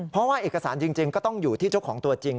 เพราะว่าเอกสารจริงก็ต้องอยู่ที่เจ้าของตัวจริง